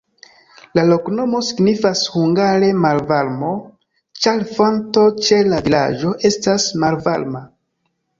La loknomo signifas hungare malvarmo, ĉar fonto ĉe la vilaĝo estas malvarma.